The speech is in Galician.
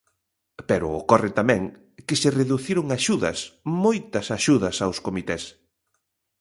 Pero ocorre tamén que se reduciron axudas, moitas axudas aos comités.